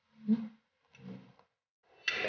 aku belum bisa mengungkapin masalah yang sebelumnya